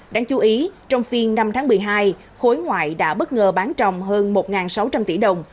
đáng chú ý trong phiên năm tháng một mươi hai khối ngoại đã bất ngờ bán rồng hơn một sáu trăm linh tỷ đồng